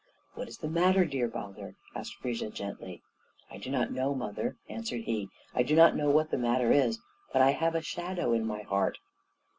"What is the matter, dear Baldur?" asked Frigga, gently. "I do not know, mother," answered he. "I do not know what the matter is; but I have a shadow in my heart."